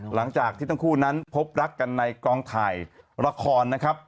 หลังจากที่ทั้งคู่นั้นพบรักกันในกองถ่ายละครนะครับ